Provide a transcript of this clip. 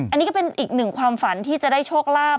อันนี้ก็เป็นอีกหนึ่งความฝันที่จะได้โชคลาภ